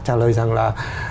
trả lời rằng là